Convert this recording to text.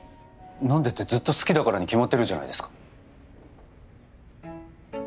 「なんで」ってずっと好きだからに決まってるじゃないですか。